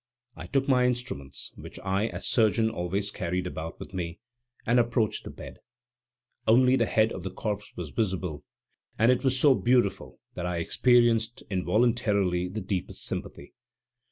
I took my instruments, which I as surgeon always carried about with me, and approached the bed. Only the head of the corpse was visible, and it was so beautiful that I experienced involuntarily the deepest sympathy.